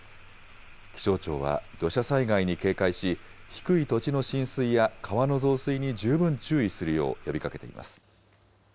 気象庁は、土砂災害に警戒し、低い土地の浸水や川の増水に十分注意するよう呼びかけています。